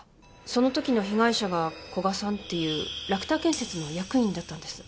そのときの被害者が古賀さんっていうラクター建設の役員だったんです。